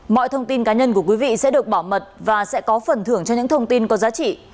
mọi thông tin cá nhân của quý vị sẽ được bảo mật và sẽ có phần thưởng cho những thông tin có giá trị